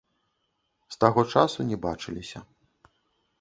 З таго часу не бачыліся.